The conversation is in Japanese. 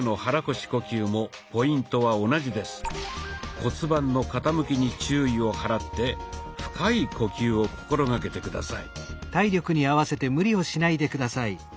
骨盤の傾きに注意を払って深い呼吸を心掛けて下さい。